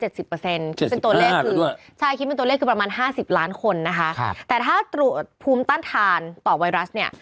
คิดเป็นตัวเลขคือใช่คิดเป็นตัวเลขคือประมาณ๕๐ล้านคนนะคะแต่ถ้าตรวจภูมิต้านทานต่อไวรัสเนี่ย